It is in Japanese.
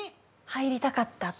入りたかった。